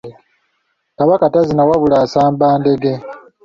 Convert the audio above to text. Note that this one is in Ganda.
Kabaka tazina wabula asamba ndege.